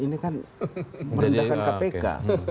ini kan merendahkan kpk